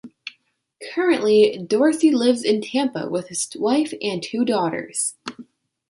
Currently, Dorsey lives in Tampa with his wife and two daughters.